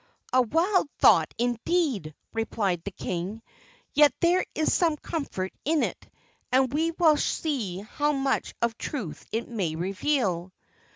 "A wild thought, indeed!" replied the king; "yet there is some comfort in it, and we will see how much of truth it may reveal."